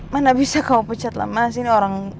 mana bisa kamu pecat lah mas ini orang